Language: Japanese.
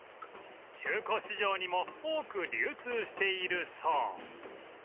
中古市場にも多く流通しているそう